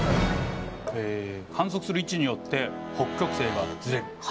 観測する位置によって北極星がズレる。